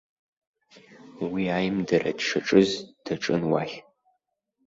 Уи аимдара дшаҿыц даҿын уахь.